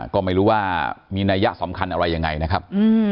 ก็ไม่รู้ว่ามีนัยยะสำคัญอะไรยังไงนะครับ